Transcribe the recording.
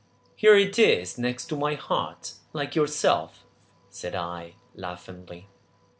"Here it is next my heart, like yourself," said I laughingly.